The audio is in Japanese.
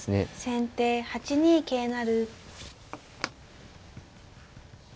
先手８二桂成。